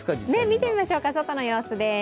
見てみましょうか、外の様子です